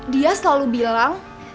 dia selalu bilang